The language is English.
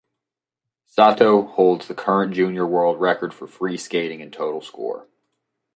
Sato holds the current junior world record for free skating and total score.